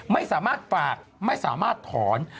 ไม่สามารถฝากไม่สามารถถอน